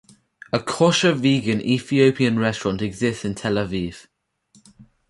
A kosher vegan Ethiopian restaurant exists in Tel Aviv.